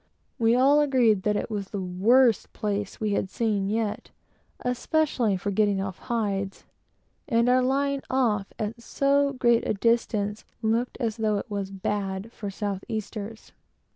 We all agreed that it was the worst place we had seen yet, especially for getting off hides, and our lying off at so great a distance looked as though it was bad for south easters.